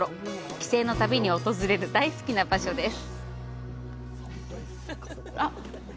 帰省のたびに訪れる大好きな場所です。